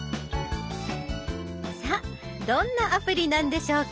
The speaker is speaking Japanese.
さあどんなアプリなんでしょうか？